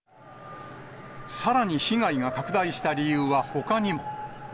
さらに被害が拡大した理由は、ほかにも。